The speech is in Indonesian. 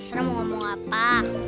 serah mau ngomong apa